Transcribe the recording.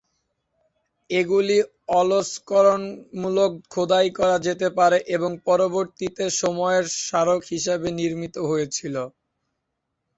এগুলি অলঙ্করণমূলক খোদাই করা যেতে পারে এবং পরবর্তী সময়ে স্মারক হিসেবে নির্মিত হয়েছিল।